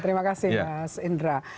terima kasih mas indra